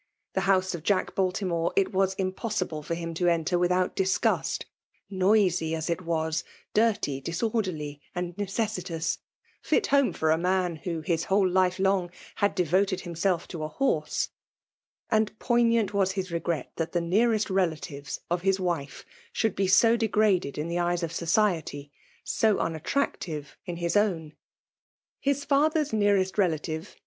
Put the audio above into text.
The house of Jack Baltimore It was impossible for him to enter without disgust :— jiolsy, as it was dirty, disorderly, and necessitous' — ft home for a man who, his whole life long, had devoted himself to a horse ; and poignant was his regret that the nearest relatives of his "wire should be so degraded in the eyes of society— so unattractive in his own. His father^s neAr^ relative.